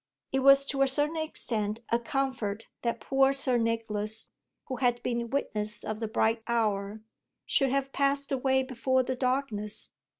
It was to a certain extent a comfort that poor Sir Nicholas, who had been witness of the bright hour, should have passed away before the darkness.